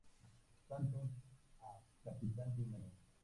Santos a capitán primero.